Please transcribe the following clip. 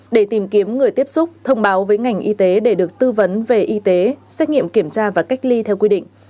để tìm kiếm người tiếp xúc thông báo với ngành y tế để được tư vấn về y tế xét nghiệm kiểm tra và cách ly theo quy định